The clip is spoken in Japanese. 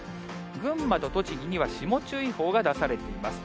群馬と栃木には霜注意報が出されています。